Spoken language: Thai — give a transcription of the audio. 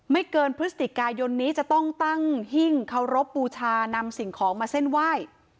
ไม่เกินพฤศจิกายนนี้จะต้องตั้งหิ้งเคารพบูชานำสิ่งของมาเส้นไหว้